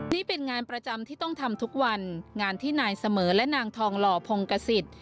นี่เป็นงานประจำที่ต้องทำทุกวันงานที่นายเสมอและนางทองหล่อพงกษิต